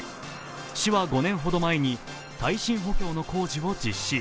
市は５年ほど前に耐震補強の工事を実施。